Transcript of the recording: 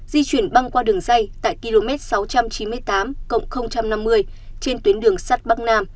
di chuyển băng qua đường dây tại km sáu trăm chín mươi tám năm mươi trên tuyến đường sắt bắc nam